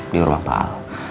di rumah paal